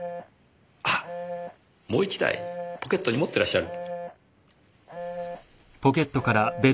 あっもう一台ポケットに持ってらっしゃる？